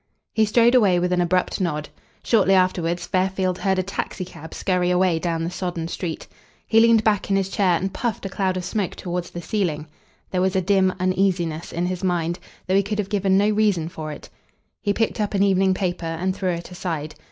He strode away with an abrupt nod. Shortly afterwards Fairfield heard a taxicab scurry away down the sodden street. He leaned back in his chair and puffed a cloud of smoke towards the ceiling. There was a dim uneasiness in his mind, though he could have given no reason for it. He picked up an evening paper and threw it aside.